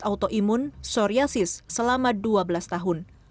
autoimun psoriasis selama dua belas tahun